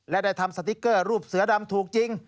และได้ทำสติ๊กเกอร์รูปเสือดำถูกจริง